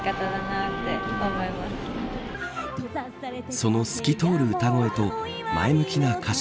その透き通る歌声と前向きな歌詞。